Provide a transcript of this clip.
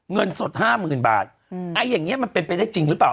เงินสดห้าหมื่นบาทไอ้อย่างนี้มันเป็นไปได้จริงหรือเปล่า